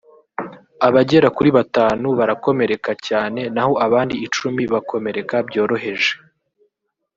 abagera kuri batanu barakomereka cyane naho abandi icumi bakomereka byoroheje